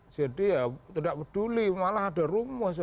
jadi tidak peduli malah ada rumus